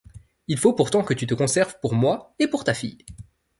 Il faut pourtant que tu te conserves pour moi et pour ta fille.